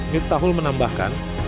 mirta hul menambahkan